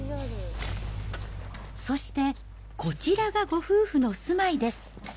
そして、こちらがご夫婦の住まいです。